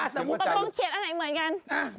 สมมุติเขียนอันไหนเหมือนกัน